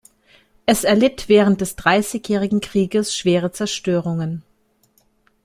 Es erlitt während des Dreissigjährigen Krieges schwere Zerstörungen.